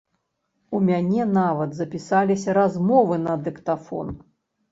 У мяне нават запісаліся размовы на дыктафон.